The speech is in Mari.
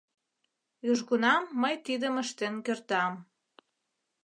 южгунам мый тидым ыштен кертам.